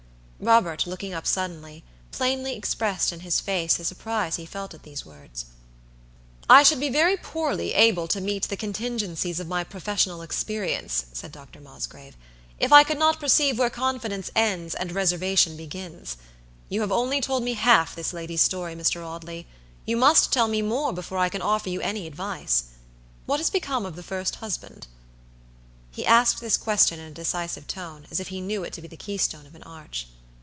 Robert, looking up suddenly, plainly expressed in his face the surprise he felt at these words. "I should be very poorly able to meet the contingencies of my professional experience," said Dr. Mosgrave, "if I could not perceive where confidence ends and reservation begins. You have only told me half this lady's story, Mr. Audley. You must tell me more before I can offer you any advice. What has become of the first husband?" He asked this question in a decisive tone, as if he knew it to be the key stone of an arch.